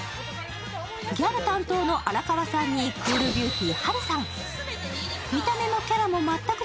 ギャル担当の荒川さんにクールビューティーはるさん。